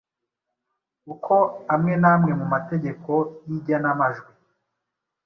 Uko amwe n’amwe mu mategeko y’igenamajwi